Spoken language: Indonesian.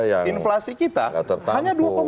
yang tidak tertanggung